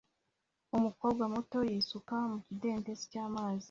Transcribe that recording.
Umukobwa muto yisuka mu kidendezi cy'amazi